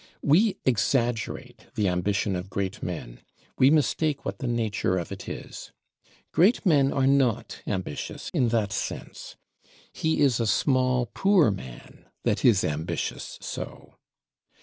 We exaggerate the ambition of Great Men; we mistake what the nature of it is. Great Men are not ambitious in that sense; he is a small poor man that is ambitious so.